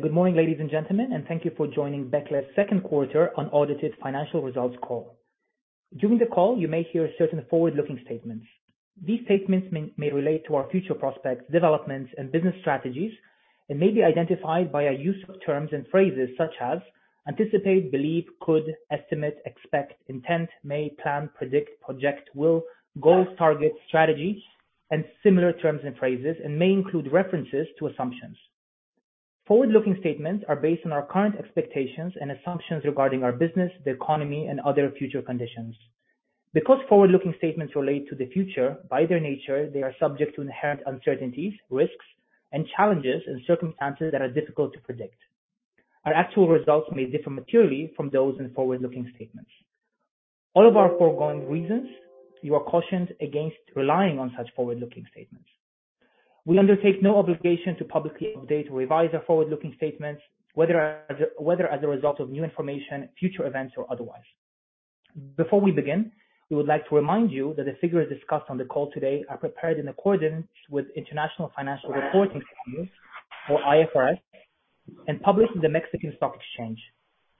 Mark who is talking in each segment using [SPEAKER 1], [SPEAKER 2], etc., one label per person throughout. [SPEAKER 1] Good morning, ladies and gentlemen, and thank you for joining Becle's Second Quarter Unaudited Financial Results Call. During the call, you may hear certain forward-looking statements. These statements may relate to our future prospects, developments, and business strategies, and may be identified by our use of terms and phrases such as: anticipate, believe, could, estimate, expect, intent, may, plan, predict, project, will, goals, target, strategy, and similar terms and phrases, and may include references to assumptions. Forward-looking statements are based on our current expectations and assumptions regarding our business, the economy, and other future conditions. Because forward-looking statements relate to the future, by their nature, they are subject to inherent uncertainties, risks and challenges and circumstances that are difficult to predict. Our actual results may differ materially from those in forward-looking statements. All of our foregoing reasons, you are cautioned against relying on such forward-looking statements. We undertake no obligation to publicly update or revise our forward-looking statements, whether as a result of new information, future events, or otherwise. Before we begin, we would like to remind you that the figures discussed on the call today are prepared in accordance with International Financial Reporting Standards, or IFRS, and published in the Mexican Stock Exchange.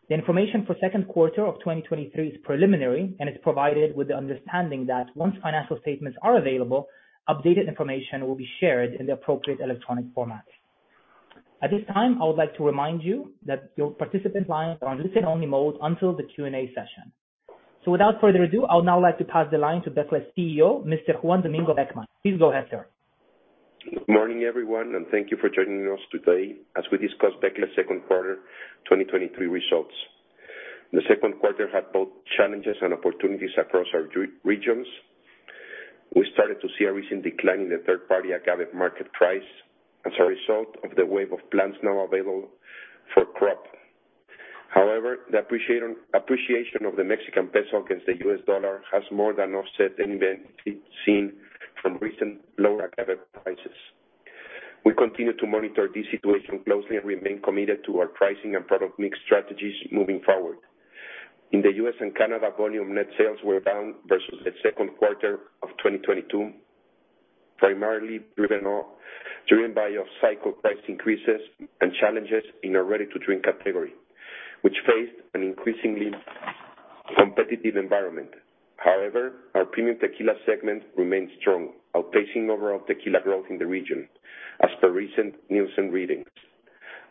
[SPEAKER 1] The information for second quarter of 2023 is preliminary, and is provided with the understanding that once financial statements are available, updated information will be shared in the appropriate electronic format. At this time, I would like to remind you that your participant lines are on listen-only mode until the Q&A session. Without further ado, I would now like to pass the line to Becle's CEO, Mr. Juan Domingo Beckmann. Please go ahead, sir.
[SPEAKER 2] Good morning, everyone, thank you for joining us today as we discuss Becle's second quarter 2023 results. The second quarter had both challenges and opportunities across our re-regions. We started to see a recent decline in the third-party agave market price as a result of the wave of plants now available for crop. However, the appreciation of the Mexican peso against the U.S. dollar has more than offset any been seen from recent lower agave prices. We continue to monitor this situation closely and remain committed to our pricing and product mix strategies moving forward. In the U.S. and Canada, volume net sales were down versus the second quarter of 2022, primarily driven by off-cycle price increases and challenges in our ready-to-drink category, which faced an increasingly competitive environment. However, our premium tequila segment remains strong, outpacing overall tequila growth in the region, as per recent Nielsen readings.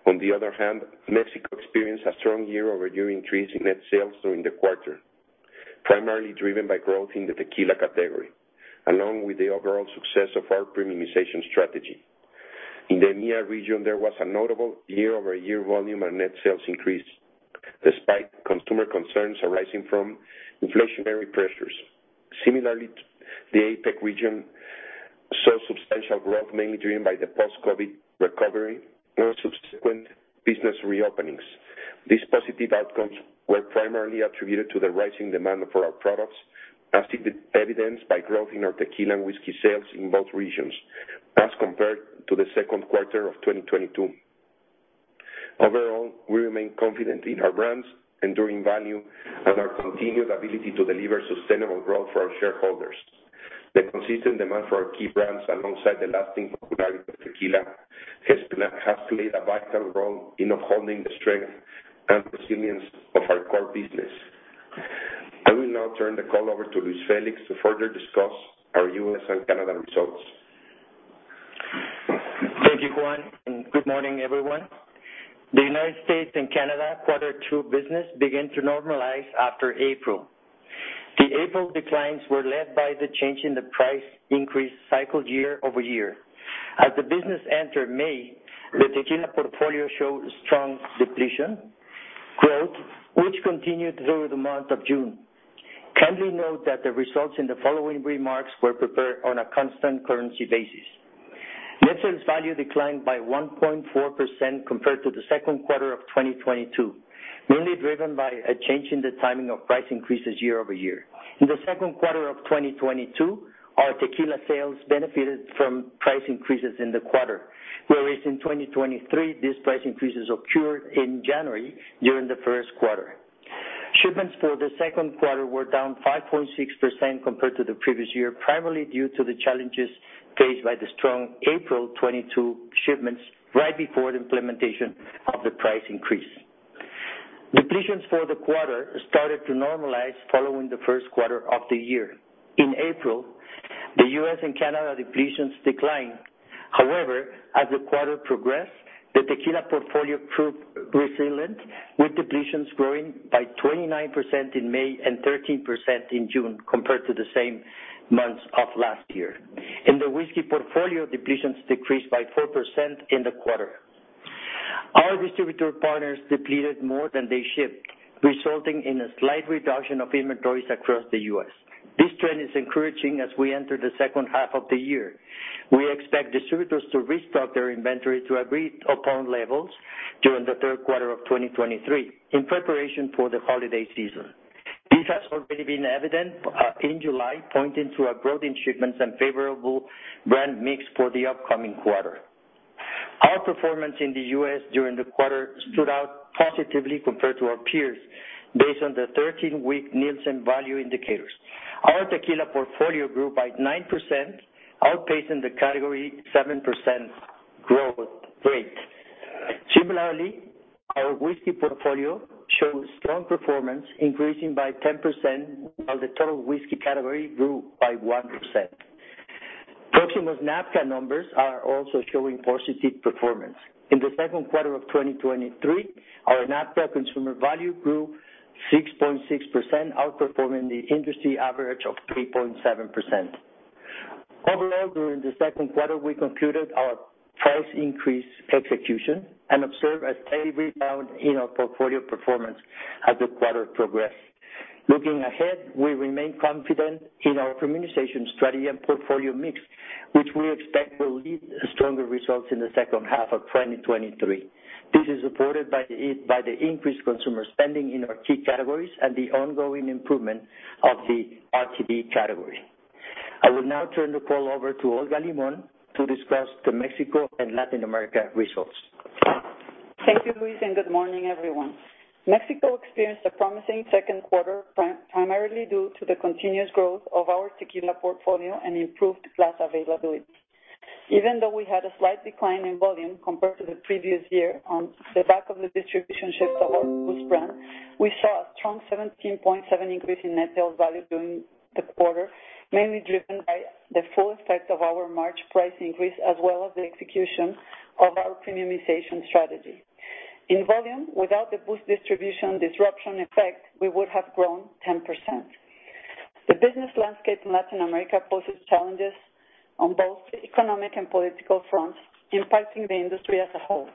[SPEAKER 2] On the other hand, Mexico experienced a strong year-over-year increase in net sales during the quarter, primarily driven by growth in the tequila category, along with the overall success of our premiumization strategy. In the EMEA region, there was a notable year-over-year volume and net sales increase, despite consumer concerns arising from inflationary pressures. Similarly, the APAC region saw substantial growth, mainly driven by the post-COVID recovery and subsequent business reopenings. These positive outcomes were primarily attributed to the rising demand for our products, as evidenced by growth in our tequila and whiskey sales in both regions, as compared to the second quarter of 2022. Overall, we remain confident in our brands' enduring value and our continued ability to deliver sustainable growth for our shareholders. The consistent demand for our key brands, alongside the lasting popularity of tequila, has played a vital role in upholding the strength and resilience of our core business. I will now turn the call over to Luis Félix to further discuss our U.S. and Canada results.
[SPEAKER 3] Thank you, Juan. Good morning, everyone. The United States and Canada quarter two business began to normalize after April. The April declines were led by the change in the price increase cycle year-over-year. As the business entered May, the tequila portfolio showed strong depletion growth, which continued through the month of June. Kindly note that the results in the following remarks were prepared on a constant currency basis. Net sales value declined by 1.4% compared to the second quarter of 2022, mainly driven by a change in the timing of price increases year-over-year. In the second quarter of 2022, our tequila sales benefited from price increases in the quarter, whereas in 2023, these price increases occurred in January during the first quarter. Shipments for the second quarter were down 5.6% compared to the previous year, primarily due to the challenges faced by the strong April 2022 shipments right before the implementation of the price increase. Depletions for the quarter started to normalize following the first quarter of the year. In April, the U.S. and Canada depletions declined. However, as the quarter progressed, the tequila portfolio proved resilient, with depletions growing by 29% in May and 13% in June, compared to the same months of last year. In the whiskey portfolio, depletions decreased by 4% in the quarter. Our distributor partners depleted more than they shipped, resulting in a slight reduction of inventories across the U.S. This trend is encouraging as we enter the second half of the year. We expect distributors to restock their inventory to agreed-upon levels during the third quarter of 2023 in preparation for the holiday season. This has already been evident in July, pointing to a growth in shipments and favorable brand mix for the upcoming quarter. Our performance in the U.S. during the quarter stood out positively compared to our peers, based on the 13-week Nielsen value indicators. Our tequila portfolio grew by 9%, outpacing the category 7% growth rate. Similarly, our whiskey portfolio showed strong performance, increasing by 10%, while the total whiskey category grew by 1%. Proximo NABCA numbers are also showing positive performance. In the second quarter of 2023, our NABCA consumer value grew 6.6%, outperforming the industry average of 3.7%. Overall, during the second quarter, we concluded our price increase execution and observed a steady rebound in our portfolio performance as the quarter progressed. Looking ahead, we remain confident in our communication strategy and portfolio mix, which we expect will lead to stronger results in the second half of 2023. This is supported by the increased consumer spending in our key categories and the ongoing improvement of the RTD category. I will now turn the call over to Olga Limón to discuss the Mexico and Latin America results.
[SPEAKER 4] Thank you, Luis, and good morning, everyone. Mexico experienced a promising second quarter primarily due to the continuous growth of our tequila portfolio and improved glass availability. Even though we had a slight decline in volume compared to the previous year on the back of the distribution shifts of our B:oost brand, we saw a strong 17.7 increase in net sales value during the quarter, mainly driven by the full effect of our March price increase, as well as the execution of our premiumization strategy. In volume, without the B:oost distribution disruption effect, we would have grown 10%. The business landscape in Latin America poses challenges on both the economic and political fronts, impacting the industry as a whole.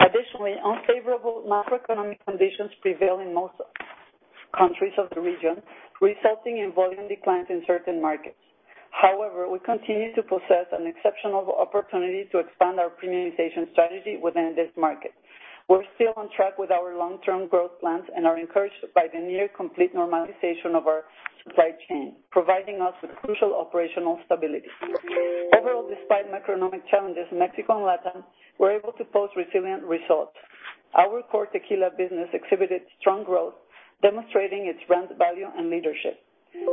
[SPEAKER 4] Additionally, unfavorable macroeconomic conditions prevail in most countries of the region, resulting in volume declines in certain markets. We continue to possess an exceptional opportunity to expand our premiumization strategy within this market. We're still on track with our long-term growth plans and are encouraged by the near complete normalization of our supply chain, providing us with crucial operational stability. Overall, despite macroeconomic challenges in Mexico and Latin, we're able to post resilient results. Our core tequila business exhibited strong growth, demonstrating its brand value and leadership.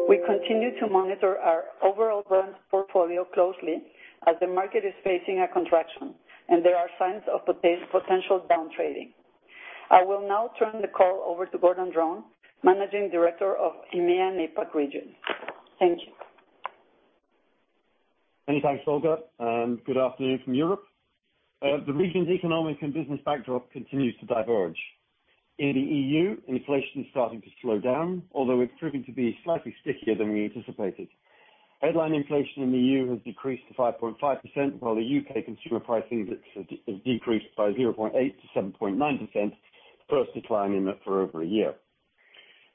[SPEAKER 4] We continue to monitor our overall brands portfolio closely as the market is facing a contraction, and there are signs of potential downtrading. I will now turn the call over to Gordon Dron, Managing Director of EMEA and APAC region. Thank you.
[SPEAKER 5] Many thanks, Olga, and good afternoon from Europe. The region's economic and business backdrop continues to diverge. In the EU, inflation is starting to slow down, although it's proving to be slightly stickier than we anticipated. Headline inflation in the EU has decreased to 5.5%, while the UK consumer price index has decreased by 0.8% to 7.9%, first decline in it for over a year.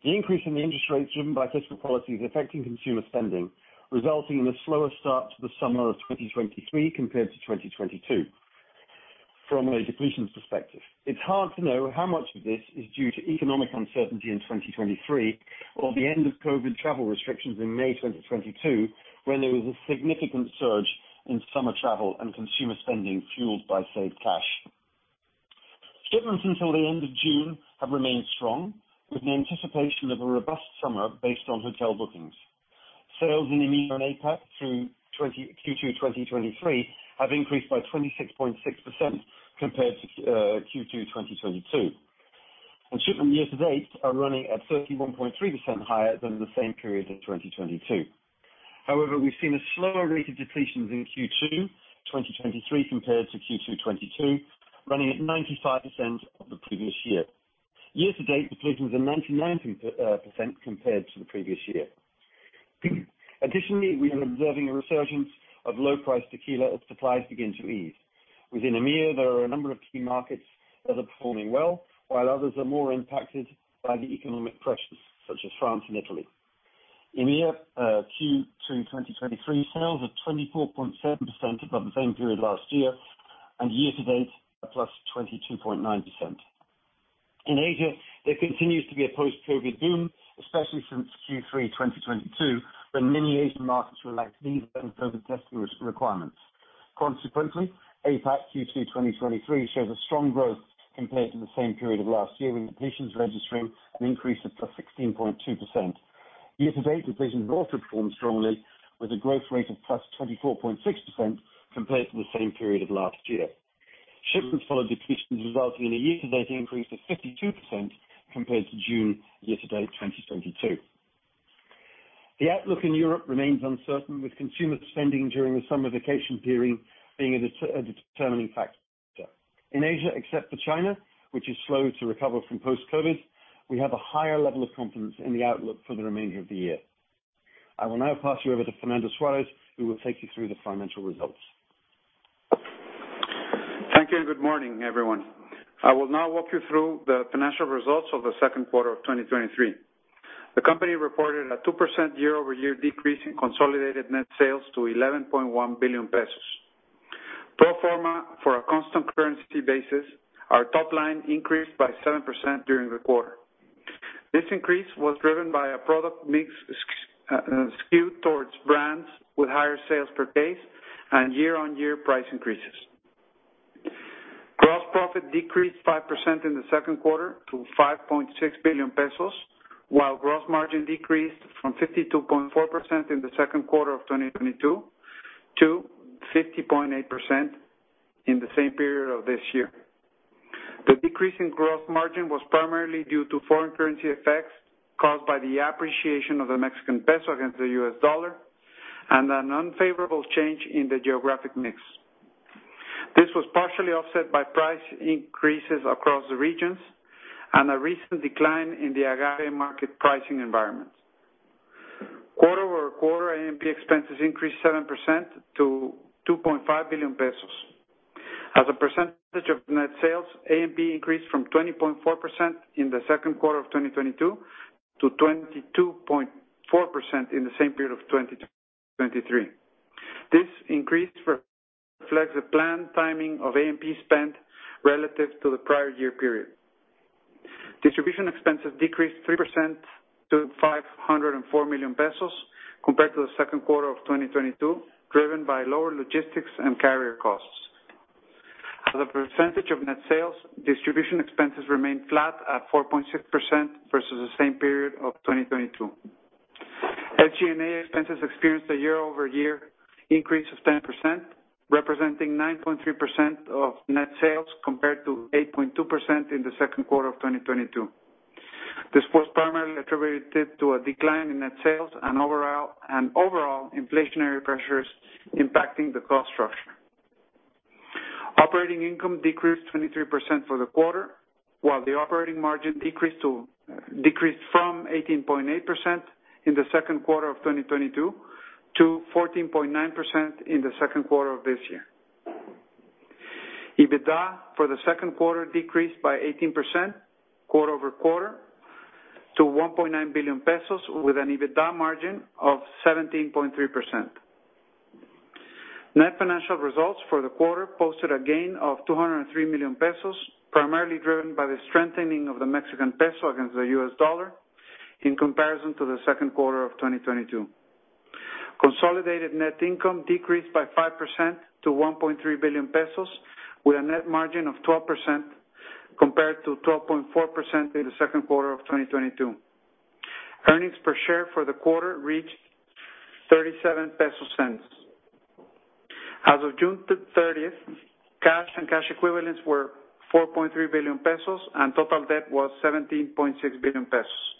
[SPEAKER 5] The increase in the interest rates driven by fiscal policy is affecting consumer spending, resulting in a slower start to the summer of 2023 compared to 2022. From a depletions perspective, it's hard to know how much of this is due to economic uncertainty in 2023 or the end of COVID travel restrictions in May 2022, when there was a significant surge in summer travel and consumer spending fueled by saved cash. Shipments until the end of June have remained strong, with an anticipation of a robust summer based on hotel bookings. Sales in EMEA and APAC through Q2 2023 have increased by 26.6% compared to Q2 2022. Shipments year-to-date are running at 31.3% higher than the same period in 2022. However, we've seen a slower rate of depletions in Q2 2023 compared to Q2 2022, running at 95% of the previous year. Year-to-date, depletions are 99% compared to the previous year. Additionally, we are observing a resurgence of low-price tequila as supplies begin to ease. Within EMEA, there are a number of key markets that are performing well, while others are more impacted by the economic pressures, such as France and Italy. EMEA, Q2 2023 sales are 24.7% above the same period last year, and year to date, are +22.9%. In Asia, there continues to be a post-COVID boom, especially since Q3 2022, when many Asian markets relaxed these COVID testing requirements. Consequently, APAC Q2 2023 shows a strong growth compared to the same period of last year, with depletions registering an increase of +16.2%. Year to date, depletions have also performed strongly, with a growth rate of +24.6% compared to the same period of last year. Shipments followed depletions, resulting in a year-to-date increase of 52% compared to June year to date 2022. The outlook in Europe remains uncertain, with consumer spending during the summer vacation period being a determining factor. In Asia, except for China, which is slow to recover from post-COVID, we have a higher level of confidence in the outlook for the remainder of the year. I will now pass you over to Fernando Suarez, who will take you through the financial results.
[SPEAKER 6] Thank you. Good morning, everyone. I will now walk you through the financial results of the second quarter of 2023. The company reported a 2% year-over-year decrease in consolidated net sales to 11.1 billion pesos. for a constant currency basis, our top line increased by 7% during the quarter. This increase was driven by a product mix skewed towards brands with higher sales per case and year-on-year price increases. Gross profit decreased 5% in the second quarter to 5.6 billion pesos, while gross margin decreased from 52.4% in the second quarter of 2022 to 50.8% in the same period of this year. The decrease in gross margin was primarily due to foreign currency effects caused by the appreciation of the Mexican peso against the U.S. dollar, and an unfavorable change in the geographic mix. This was partially offset by price increases across the regions and a recent decline in the agave market pricing environment. Quarter-over-quarter, A&P expenses increased 7% to 2.5 billion pesos. As a percentage of net sales, A&P increased from 20.4% in the second quarter of 2022 to 22.4% in the same period of 2023. This increase reflects the planned timing of A&P spend relative to the prior year period. Distribution expenses decreased 3% to 504 million pesos compared to the second quarter of 2022, driven by lower logistics and carrier costs. As a percentage of net sales, distribution expenses remained flat at 4.6% versus the same period of 2022. SG&A expenses experienced a year-over-year increase of 10%, representing 9.3% of net sales, compared to 8.2% in the second quarter of 2022. This was primarily attributed to a decline in net sales and overall inflationary pressures impacting the cost structure. Operating income decreased 23% for the quarter, while the operating margin decreased from 18.8% in the second quarter of 2022 to 14.9% in the second quarter of this year. EBITDA for the second quarter decreased by 18% quarter-over-quarter to 1.9 billion pesos, with an EBITDA margin of 17.3%. Net financial results for the quarter posted a gain of 203 million pesos, primarily driven by the strengthening of the Mexican peso against the U.S. dollar in comparison to the second quarter of 2022. Consolidated net income decreased by 5% to 1.3 billion pesos, with a net margin of 12% compared to 12.4% in the second quarter of 2022. Earnings per share for the quarter reached 0.37. As of June 30th, cash and cash equivalents were 4.3 billion pesos, and total debt was 17.6 billion pesos.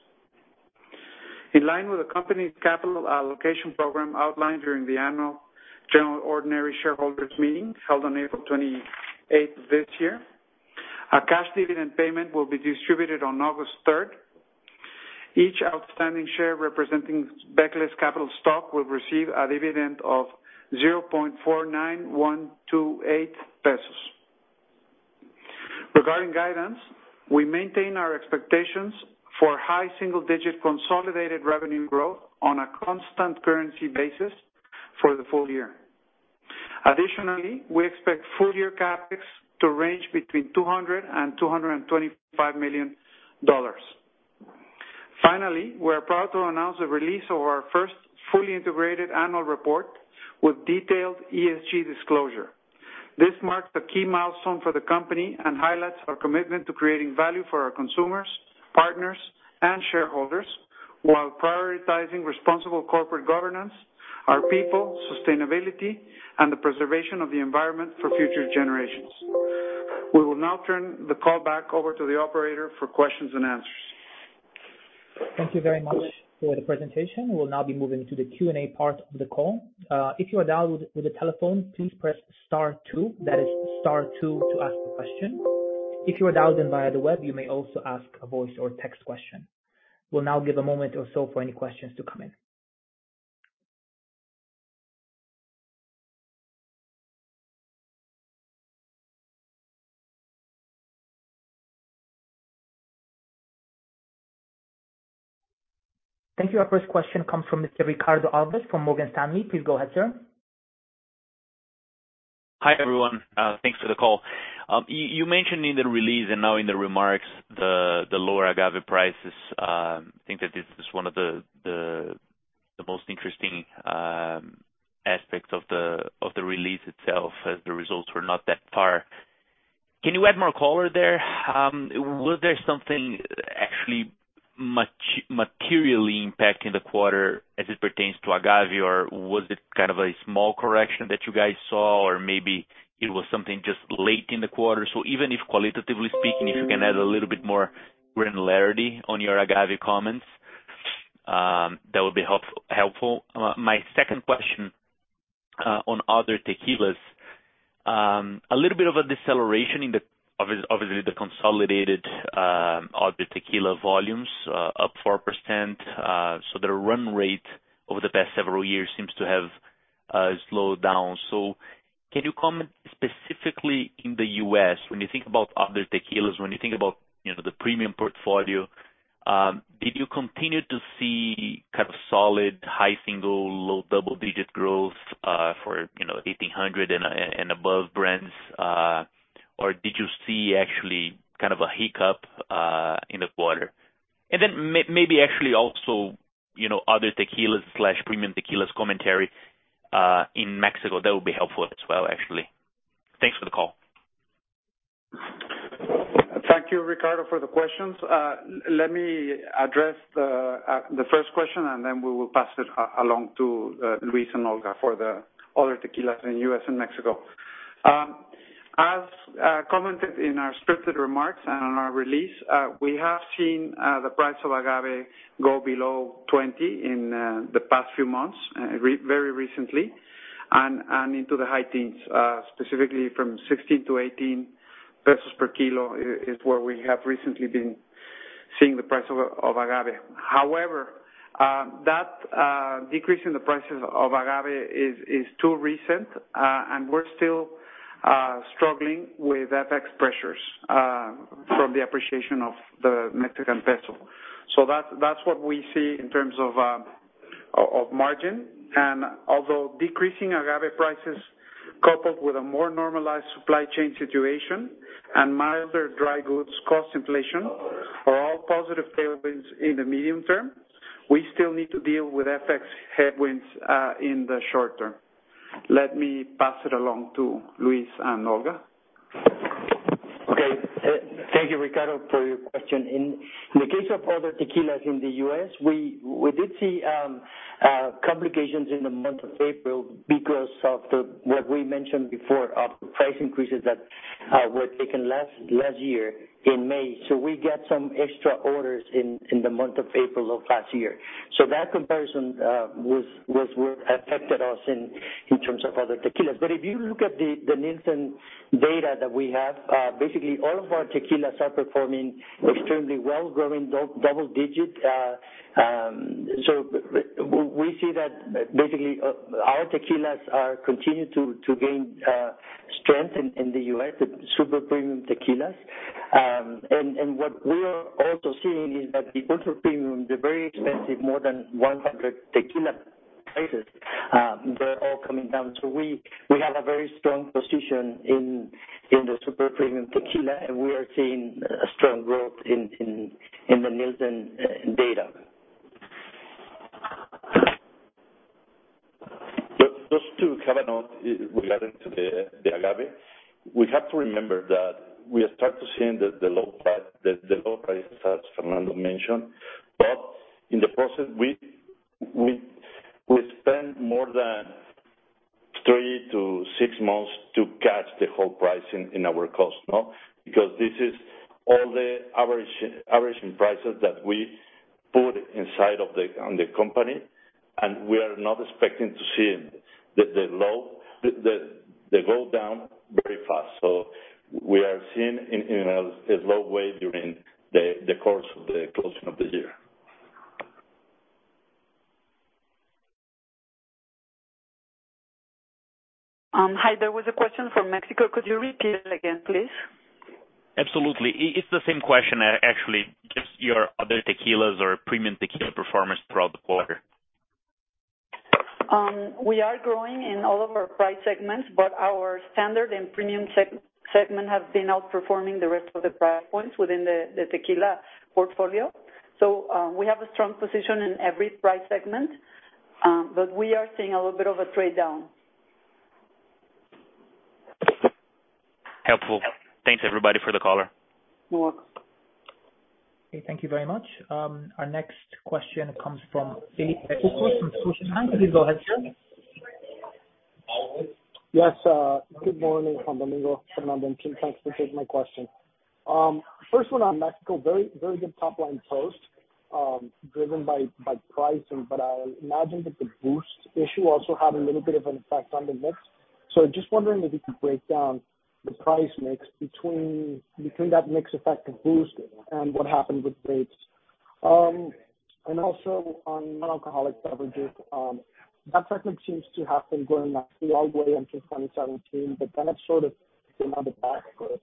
[SPEAKER 6] In line with the company's capital allocation program outlined during the annual general ordinary shareholders meeting, held on April 28 this year, a cash dividend payment will be distributed on August 3rd. Each outstanding share representing Becle's capital stock will receive a dividend of 0.49128 pesos. Regarding guidance, we maintain our expectations for high single-digit consolidated revenue growth on a constant currency basis for the full year. Additionally, we expect full year CapEx to range between $200 million-$225 million. Finally, we are proud to announce the release of our first fully integrated annual report with detailed ESG disclosure. This marks a key milestone for the company and highlights our commitment to creating value for our consumers, partners, and shareholders, while prioritizing responsible corporate governance, our people, sustainability, and the preservation of the environment for future generations. We will now turn the call back over to the operator for questions and answers.
[SPEAKER 1] Thank you very much for the presentation. We'll now be moving to the Q&A part of the call. If you are dialed with, with a telephone, please press star two. That is star two to ask a question. If you are dialed in via the web, you may also ask a voice or text question. We'll now give a moment or so for any questions to come in. Thank you. Our first question comes from Mr. Ricardo Alves from Morgan Stanley. Please go ahead, sir.
[SPEAKER 7] Hi, everyone, thanks for the call. Y- you mentioned in the release and now in the remarks, the, the lower agave prices. I think that this is one of the, the, the most interesting aspects of the, of the release itself, as the results were not that far. Can you add more color there? Was there something actually much- materially impacting the quarter as it pertains to agave, or was it kind of a small correction that you guys saw? Or maybe it was something just late in the quarter. Even if qualitatively speaking, if you can add a little bit more granularity on your agave comments, that would be help- helpful. My second question on other tequilas. A little bit of a deceleration in the obvis- obviously, the consolidated, other tequila volumes, up 4%. The run rate over the past several years seems to have slowed down. Can you comment specifically in the U.S., when you think about other tequilas, when you think about, you know, the premium portfolio? Did you continue to see kind of solid, high single, low double-digit growth for, you know, 1800 and above brands? Or did you see actually kind of a hiccup in the quarter? Then maybe actually also, you know, other tequilas/premium tequilas commentary in Mexico, that would be helpful as well, actually. Thanks for the call.
[SPEAKER 6] Thank you, Ricardo, for the questions. Let me address the first question, and then we will pass it along to Luis and Olga for the other tequilas in U.S. and Mexico. As commented in our scripted remarks and on our release, we have seen the price of agave go below 20 in the past few months, very recently, and into the high teens, specifically from 16 to 18 pesos per kilo is where we have recently been seeing the price of agave. However, that decrease in the prices of agave is too recent, and we're still struggling with FX pressures from the appreciation of the Mexican peso. That's what we see in terms of margin. Although decreasing agave prices, coupled with a more normalized supply chain situation and milder dry goods cost inflation are all positive tailwinds in the medium term, we still need to deal with FX headwinds in the short term. Let me pass it along to Luis and Olga.
[SPEAKER 3] Thank you, Ricardo, for your question. In the case of other tequilas in the U.S., we did see complications in the month of April because of what we mentioned before, of price increases that were taken last year in May. We got some extra orders in the month of April of last year. That comparison was where affected us in terms of other tequilas. If you look at the Nielsen data that we have, basically all of our tequilas are performing extremely well, growing double-digit. We see that basically our tequilas are continuing to gain strength in the U.S., the super premium tequilas. What we are also seeing is that the ultra-premium, the very expensive, more than 100 tequila prices, they're all coming down. We, we have a very strong position in, in the super premium tequila, and we are seeing a strong growth in, in, in the Nielsen data.
[SPEAKER 2] Just, just to have a note regarding to the, the agave. We have to remember that we are start to seeing the, the low price, the, the low price, as Fernando mentioned. In the process, we, we, we spend more than 3 to 6 months to catch the whole pricing in our cost, no? This is all the average, average prices that we put inside of the, on the company. We are not expecting to see the, the low, the, the go down very fast. We are seeing in, in a, a low way during the, the course of the closing of the year.
[SPEAKER 4] Hi, there was a question from Mexico. Could you repeat it again, please?
[SPEAKER 7] Absolutely. It, it's the same question, actually, just your other tequilas or premium tequila performance throughout the quarter.
[SPEAKER 4] We are growing in all of our price segments, but our standard and premium segment have been outperforming the rest of the price points within the, the tequila portfolio. We have a strong position in every price segment, but we are seeing a little bit of a trade down.
[SPEAKER 7] Helpful. Thanks, everybody, for the caller.
[SPEAKER 4] You're welcome.
[SPEAKER 1] Okay, thank you very much. Our next question comes from [Philippe Bacouco] from Susquehanna. Please go ahead, sir.
[SPEAKER 8] Yes, good morning from Domingo from London. Thanks for taking my question. First one on Mexico. Very, very good top line post, driven by price, but I imagine that the B:oost issue also had a little bit of an effect on the mix. Just wondering if you could break down the price mix between that mix effect of B:oost and what happened with rates. Also on non-alcoholic beverages, that segment seems to have been growing nicely all the way into 2017, but then it sort of came out the back a little.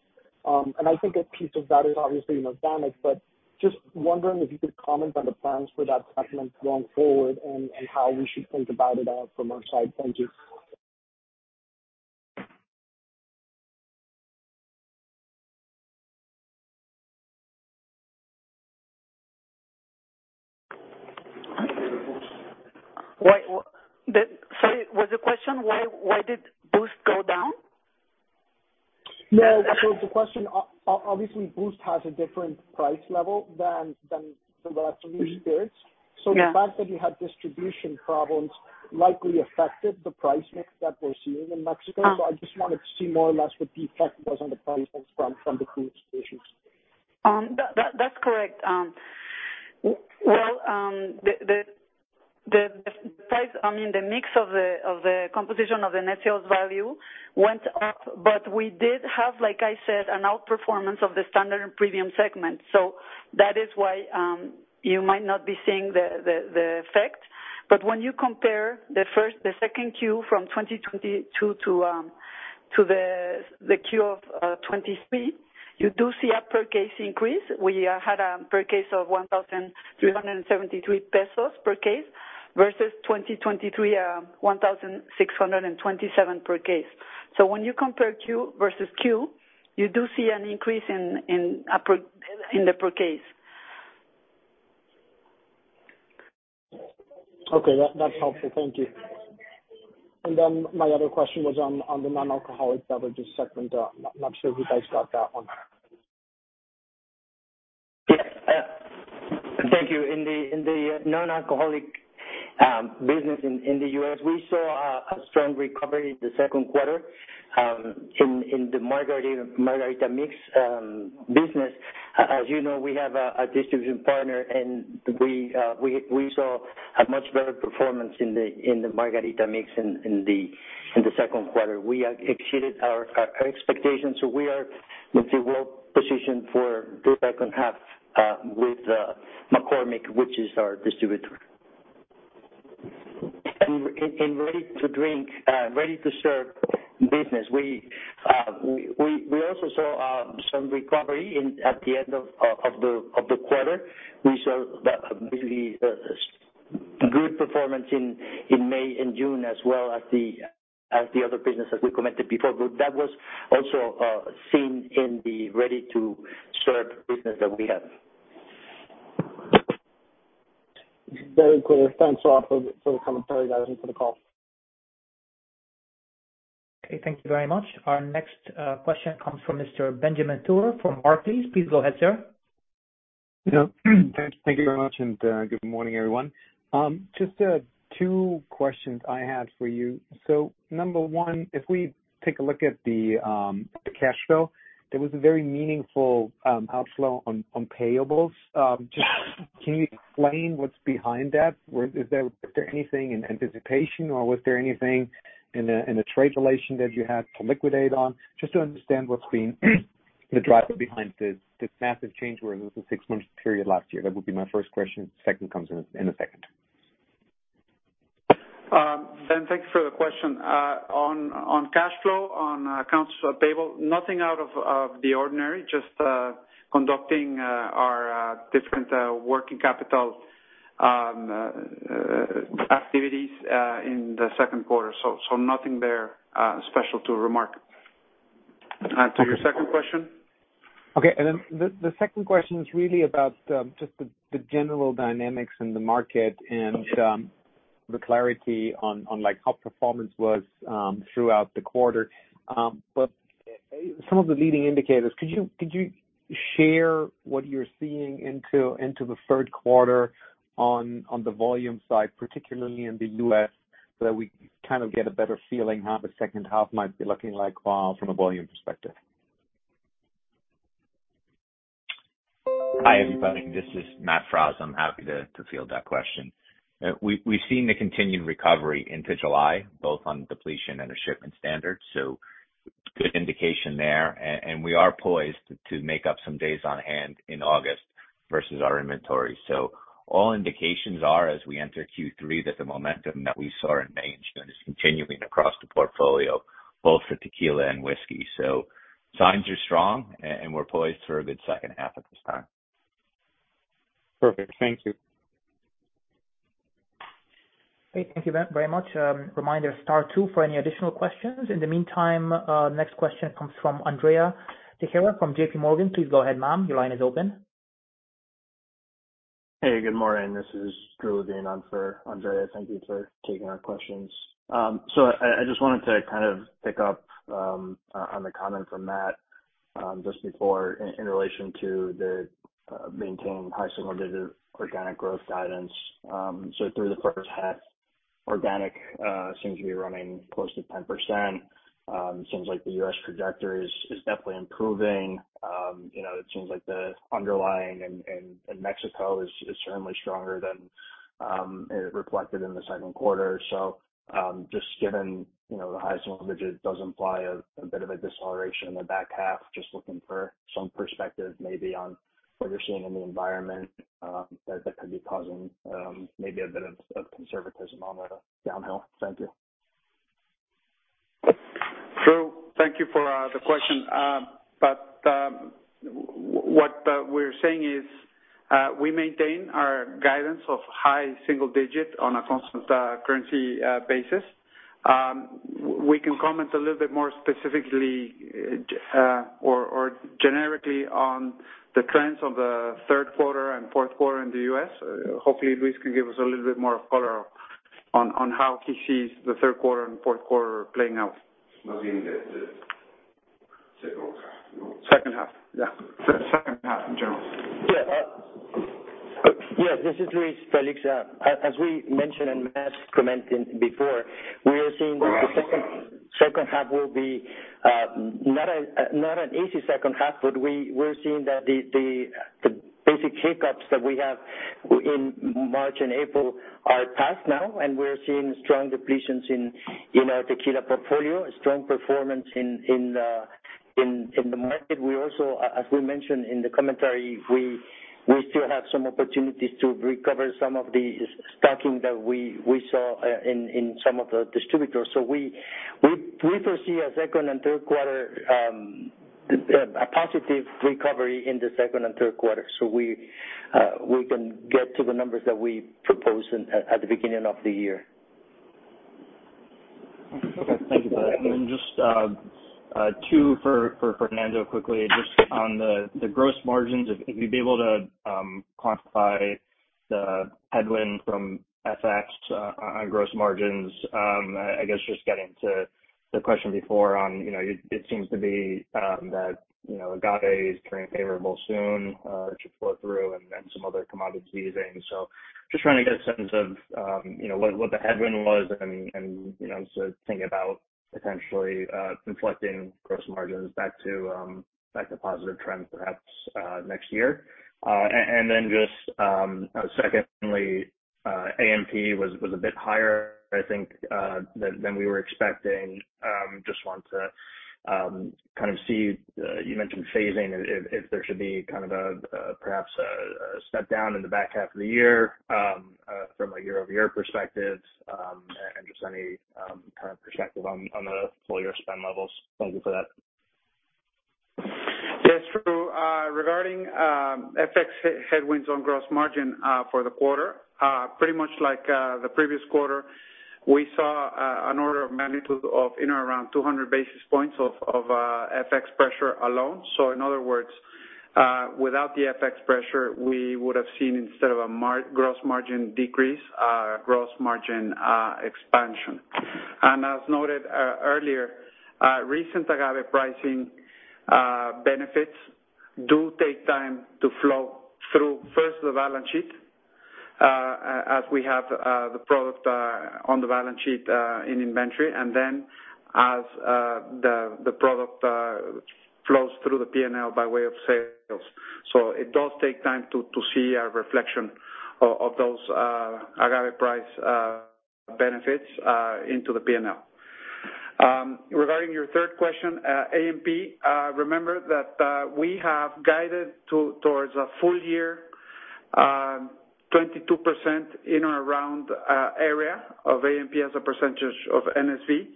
[SPEAKER 8] I think a piece of that is obviously, you know, dynamic, but just wondering if you could comment on the plans for that segment going forward and how we should think about it from our side. Thank you.
[SPEAKER 4] Why, Sorry, was the question why, why did B:oost go down?
[SPEAKER 8] No, the question, obviously, B:oost has a different price level than, than the rest of the spirits.
[SPEAKER 4] Yeah.
[SPEAKER 8] The fact that you had distribution problems likely affected the price mix that we're seeing in Mexico.
[SPEAKER 4] Uh.
[SPEAKER 8] I just wanted to see more or less what the effect was on the price mix from, from the B:oost issues.
[SPEAKER 4] That, that, that's correct. Well, the, the, the, the price, I mean, the mix of the, of the composition of the net sales value went up. We did have, like I said, an outperformance of the standard and premium segment. That is why you might not be seeing the, the, the effect. When you compare the first, the 2Q from 2022 to.... to the, the Q of 2023, you do see a per case increase. We had a per case of 1,373 pesos per case, versus 2023, 1,627 per case. When you compare Q versus Q, you do see an increase in, in, per, in the per case.
[SPEAKER 8] Okay, that, that's helpful. Thank you. Then my other question was on, on the non-alcoholic beverages segment. not, not sure if you guys got that one?
[SPEAKER 3] Yeah, thank you. In the, in the non-alcoholic business in, in the U.S., we saw a, a strong recovery in the second quarter in, in the margarita, margarita mix business. As you know, we have a, a distribution partner, and we, we saw a much better performance in the, in the margarita mix in, in the, in the second quarter. We have exceeded our, our expectations, so we are, let's say, well positioned for the second half with McCormick, which is our distributor. In ready-to-drink, ready to serve business, we also saw some recovery at the end of the quarter. We saw the, really, good performance in, in May and June, as well as the, as the other businesses we commented before. That was also seen in the ready-to-serve business that we have.
[SPEAKER 8] Very clear. Thanks a lot for the commentary, guys, and for the call.
[SPEAKER 1] Okay, thank you very much. Our next question comes from Mr. Benjamin Theurer from Barclays. Please go ahead, sir.
[SPEAKER 9] Yeah. Thank you very much, and good morning, everyone. Just two questions I had for you. Number 1, if we take a look at the cash flow, there was a very meaningful outflow on payables. Just can you explain what's behind that? Is there anything in anticipation or was there anything in a trade relation that you had to liquidate on? Just to understand what's been the driver behind this, this massive change where it was a six-month period last year. That would be my first question. Second comes in, in a second.
[SPEAKER 6] Ben, thank you for the question. On, on cash flow, on, accounts payable, nothing out of, of the ordinary, just, conducting, our, different, working capital, activities, in the second quarter. Nothing there, special to remark. To your second question?
[SPEAKER 9] Okay, then the second question is really about, just the general dynamics in the market and, the clarity on, like, how performance was, throughout the quarter. Some of the leading indicators, could you, could you share what you're seeing into the third quarter on the volume side, particularly in the U.S., so that we kind of get a better feeling how the second half might be looking like, from a volume perspective?
[SPEAKER 10] Hi, everybody. This is Matt Fraser. I'm happy to, to field that question. We've, we've seen the continued recovery into July, both on depletion and the shipment standards, so good indication there. And we are poised to make up some days on hand in August versus our inventory. All indications are, as we enter Q3, that the momentum that we saw in May and June is continuing across the portfolio, both for tequila and whiskey. Signs are strong and, and we're poised for a good second half at this time.
[SPEAKER 9] Perfect. Thank you.
[SPEAKER 1] Okay. Thank you very much. Reminder, star two for any additional questions. In the meantime, Next question comes from Andrea Teixeira from JPMorgan. Please go ahead, ma'am. Your line is open.
[SPEAKER 11] Hey, good morning. This is Drew Levine on for Andrea. Thank you for taking our questions. I, I just wanted to kind of pick up on the comment from Matt just before in, in relation to the maintain high single-digit organic growth guidance. Through the first half, organic seems to be running close to 10%. Seems like the U.S. trajectory is, is definitely improving. You know, it seems like the underlying in, in, in Mexico is, is certainly stronger than is reflected in the second quarter. Just given, you know, the high single-digit does imply a, a bit of a deceleration in the back half, just looking for some perspective, maybe on what you're seeing in the environment that, that could be causing maybe a bit of, of conservatism on the downhill. Thank you.
[SPEAKER 6] Drew, thank you for the question. What we're saying is, we maintain our guidance of high single-digit on a constant currency basis. We can comment a little bit more specifically or generically on the trends of the third quarter and fourth quarter in the U.S. Hopefully, Luis can give us a little bit more color on how he sees the third quarter and fourth quarter playing out.
[SPEAKER 2] Second half.
[SPEAKER 6] Second half, yeah. Second half in general.
[SPEAKER 3] Yeah. Yes, this is Luis Félix. As we mentioned and Matt's commented before, we are seeing that the second half will be not a, not an easy second half. We're seeing that the basic hiccups that we have in March and April are past now, and we're seeing strong depletions in our tequila portfolio, a strong performance in the market. We also, as we mentioned in the commentary, we still have some opportunities to recover some of the stocking that we saw in some of the distributors. We foresee a second and third quarter, a positive recovery in the second and third quarter. We can get to the numbers that we proposed at the beginning of the year.
[SPEAKER 11] Okay, thank you for that. Just two for Fernando, quickly. Just on the gross margins, if you'd be able to quantify the headwind from FX on gross margins. I guess just getting to the question before on, you know, it seems to be that, you know, agave is turning favorable soon, should flow through and then some other commodities easing. Just trying to get a sense of, you know, what the headwind was and, and, you know, so think about potentially reflecting gross margins back to back to positive trends, perhaps next year. Then just, secondly, AMP was a bit higher, I think, than we were expecting. Just want to, kind of see, you mentioned phasing, if, if there should be kind of a, a, perhaps a, a step down in the back half of the year, from a year-over-year perspective, and just any, kind of perspective on, on the full year spend levels? Thank you for that.
[SPEAKER 6] Yes, true. Regarding FX headwinds on gross margin for the quarter, pretty much like the previous quarter, we saw an order of magnitude of in or around 200 basis points of FX pressure alone. In other words, without the FX pressure, we would have seen, instead of a gross margin decrease, gross margin expansion. As noted earlier, recent agave pricing benefits do take time to flow through, first, the balance sheet, as we have the product on the balance sheet in inventory, and then as the product flows through the PNL by way of sales. It does take time to see a reflection of those agave price benefits into the PNL. Regarding your third question, AMP, remember that we have guided towards a full year 22% in or around area of AMP as a percentage of NSV.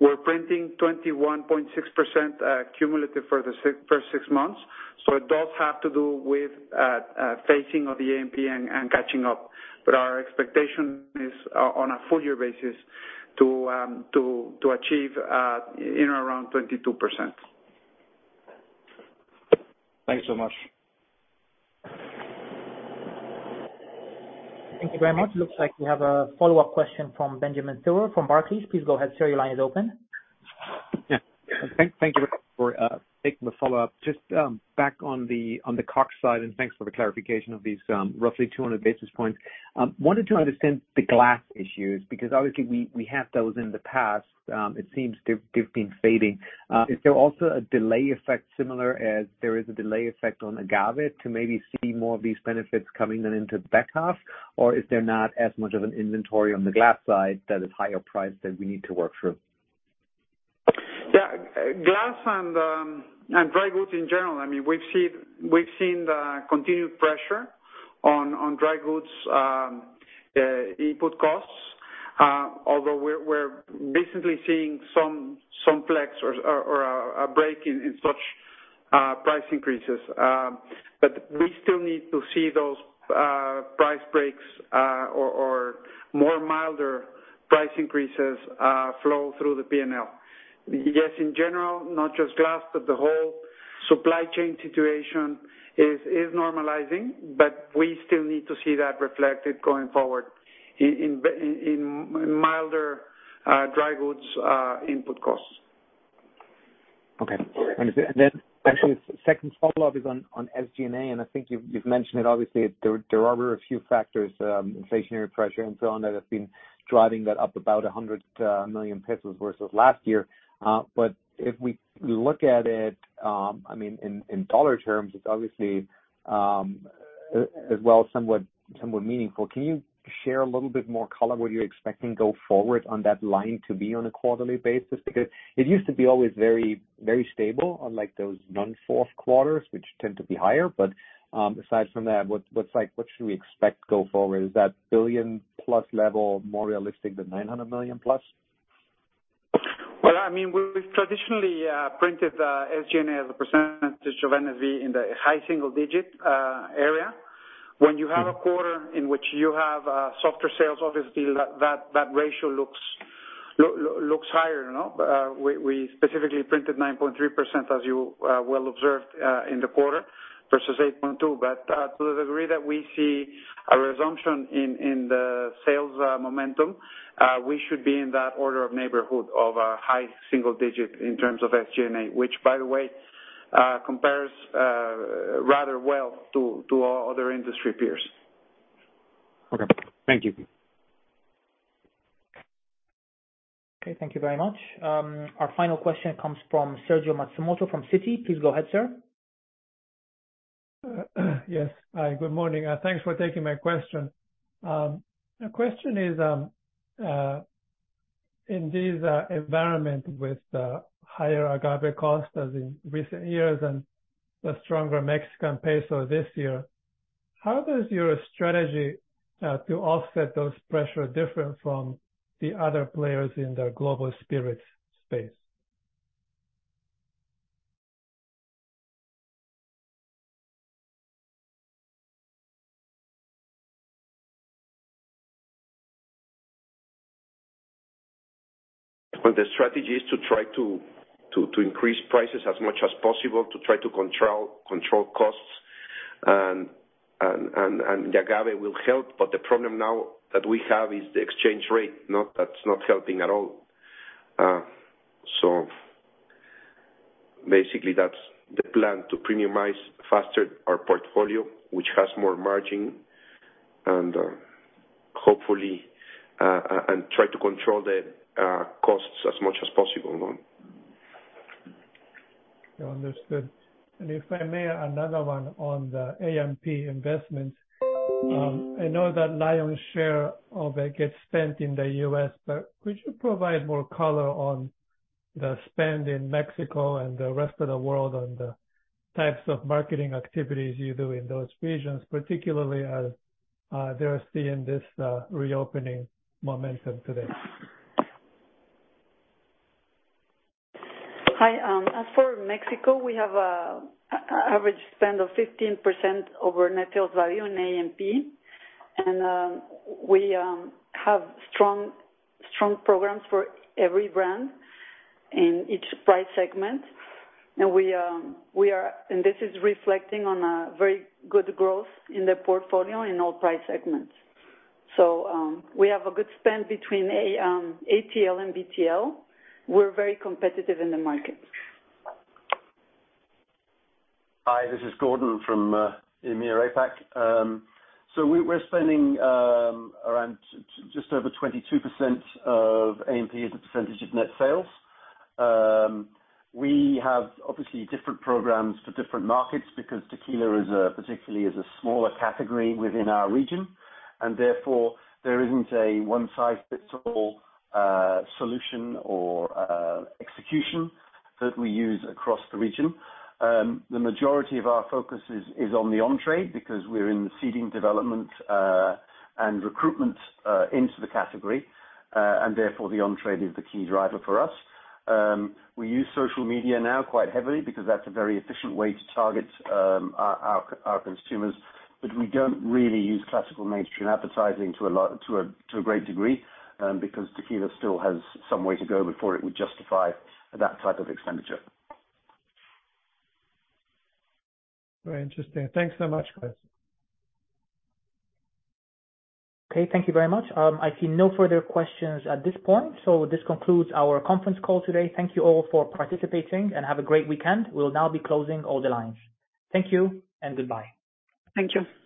[SPEAKER 6] We're printing 21.6% cumulative for six months, so it does have to do with phasing of the AMP and catching up. But our expectation is on a full year basis to achieve in and around 22%.
[SPEAKER 11] Thanks so much.
[SPEAKER 1] Thank you very much. Looks like we have a follow-up question from Benjamin Theurer from Barclays. Please go ahead, sir, your line is open.
[SPEAKER 9] Yeah. Thank, thank you for taking the follow-up. Just back on the COGS side, thanks for the clarification of these roughly 200 basis points. Wanted to understand the glass issues, because obviously we have those in the past. It seems they've been fading. Is there also a delay effect, similar as there is a delay effect on agave, to maybe see more of these benefits coming then into the back half? Is there not as much of an inventory on the glass side that is higher priced that we need to work through?
[SPEAKER 6] Yeah, glass and dry goods in general, we've seen, we've seen the continued pressure on dry goods input costs, although we're recently seeing some flex or a break in such price increases. We still need to see those price breaks or more milder price increases flow through the PNL. Yes, in general, not just glass, but the whole supply chain situation is normalizing, but we still need to see that reflected going forward in milder dry goods input costs.
[SPEAKER 9] Okay. Then actually, second follow-up is on, on SG&A, and I think you've, you've mentioned it. Obviously, there, there are a few factors, inflationary pressure and so on, that have been driving that up about 100 million pesos versus last year. But if we look at it, I mean, in, in dollar terms, it's obviously, as well, somewhat, somewhat meaningful. Can you share a little bit more color, what you're expecting go forward on that line to be on a quarterly basis? Because it used to be always very, very stable on, like, those non-fourth quarters, which tend to be higher. Aside from that, what's like, what should we expect go forward? Is that 1 billion+ level more realistic than 900 million+?
[SPEAKER 6] Well, I mean, we've traditionally printed SG&A as a percentage of NSV in the high single digit area. When you have a quarter in which you have softer sales, obviously that, that, that ratio looks, looks higher, you know? We, we specifically printed 9.3%, as you well observed in the quarter versus 8.2%. To the degree that we see a resumption in, in the sales momentum, we should be in that order of neighborhood of a high single digit in terms of SG&A, which, by the way, compares rather well to our other industry peers.
[SPEAKER 9] Okay. Thank you.
[SPEAKER 1] Okay, thank you very much. Our final question comes from Sergio Matsumoto, from Citi. Please go ahead, sir.
[SPEAKER 12] Yes. Hi, good morning. Thanks for taking my question. My question is, in this environment with the higher agave cost as in recent years and the stronger Mexican peso this year, how does your strategy to offset those pressure different from the other players in the global spirits space?
[SPEAKER 2] The strategy is to try to increase prices as much as possible, to try to control costs, and the agave will help, but the problem now that we have is the exchange rate. That's not helping at all. Basically, that's the plan to premiumize faster our portfolio, which has more margin and, hopefully, and try to control the costs as much as possible.
[SPEAKER 12] Understood. If I may, another one on the AMP investments. I know that lion's share of it gets spent in the U.S., but could you provide more color on the spend in Mexico and the rest of the world, on the types of marketing activities you do in those regions, particularly as they're seeing this reopening momentum today?
[SPEAKER 4] Hi, as for Mexico, we have a average spend of 15% over net sales value in AMP. We have strong, strong programs for every brand in each price segment. We are and this is reflecting on a very good growth in the portfolio in all price segments. We have a good spend between A, ATL and BTL. We're very competitive in the market.
[SPEAKER 5] Hi, this is Gordon from EMEA, APAC. We're spending around just over 22% of AMP as a percentage of net sales. We have obviously different programs for different markets because tequila is a, particularly, is a smaller category within our region, and therefore there isn't a one-size-fits-all solution or execution that we use across the region. The majority of our focus is, is on the on-trade because we're in the seeding development, and recruitment into the category, and therefore, the on-trade is the key driver for us. We use social media now quite heavily because that's a very efficient way to target, our, our, our consumers, but we don't really use classical mainstream advertising to a great degree, because tequila still has some way to go before it would justify that type of expenditure.
[SPEAKER 12] Very interesting. Thanks so much, guys.
[SPEAKER 1] Okay, thank you very much. I see no further questions at this point. This concludes our conference call today. Thank you all for participating, have a great weekend. We'll now be closing all the lines. Thank you and goodbye.
[SPEAKER 4] Thank you.